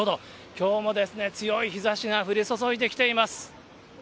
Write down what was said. きょうもですね、強い日ざしが降り注いできています。